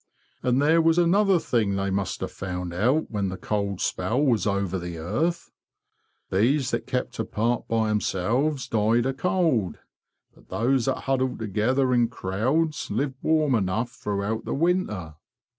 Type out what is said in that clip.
And there was another thing they must have found out when the cold spell was over the earth. Bees that kept apart by themselves died of cold, but those that huddled together in crowds lived warm enough throughout the winter.